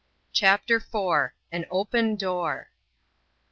CHAPTER IV. AN OPEN DOOR.